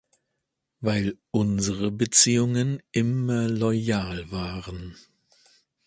Weil unsere Beziehungen immer loyal waren.